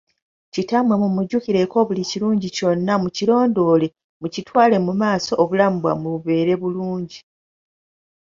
Kittamwe mu mujjukireko buli kirungi kyonna mu kirondoole mukitwale mumaaso obulamu bwammwe bubeere bulungi.